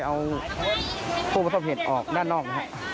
เอาผู้ประสบเหตุออกด้านนอกนะครับ